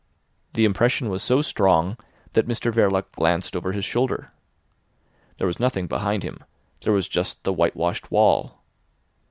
The impression was so strong that Mr Verloc glanced over his shoulder. There was nothing behind him: there was just the whitewashed wall.